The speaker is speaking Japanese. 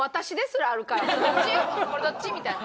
これどっち？みたいな。